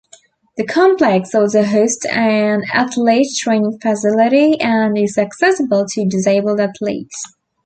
The complex also hosts an athlete training facility, and is accessible to disabled athletes.